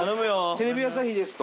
「テレビ朝日です」と。